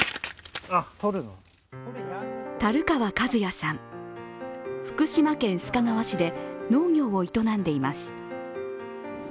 樽川和也さん、福島県須賀川市で農業を営んでいます。